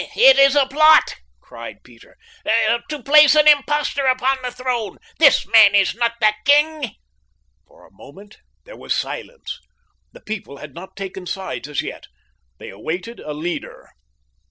"It is a plot," cried Peter, "to place an impostor upon the throne! This man is not the king." For a moment there was silence. The people had not taken sides as yet. They awaited a leader.